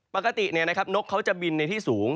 ปกตินี่นะครับนกเขาจะบินในที่สูง